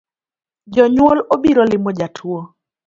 Jonyuol obiro limo jatuo